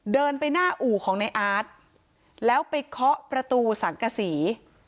เดินไปหน้าอู่ของในอาร์ตแล้วไปเคาะประตูสังกษี